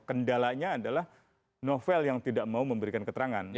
kendalanya adalah novel yang tidak mau memberikan keterangan